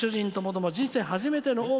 夫ともども人生初めての。